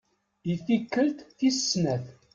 I tikkelt tis snat.